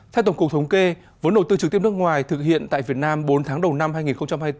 theo tổng cục thống kê vốn đầu tư trực tiếp nước ngoài thực hiện tại việt nam bốn tháng đầu năm hai nghìn hai mươi bốn